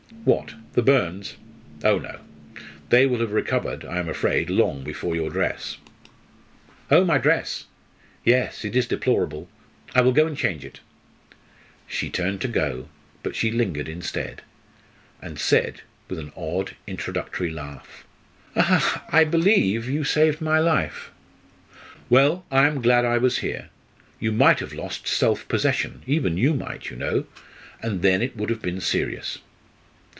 "What, the burns? Oh, no! They will have recovered, I am afraid, long before your dress." "Oh, my dress! yes, it is deplorable. I will go and change it." She turned to go, but she lingered instead, and said with an odd, introductory laugh: "I believe you saved my life!" "Well, I am glad I was here. You might have lost self possession even you might, you know! and then it would have been serious."